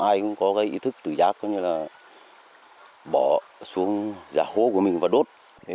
ai cũng có ý thức tử rác bỏ xuống giả hố của mình và đốt